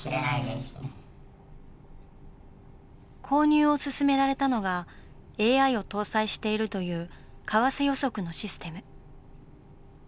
購入を勧められたのがＡＩを搭載しているという為替予測のシステム。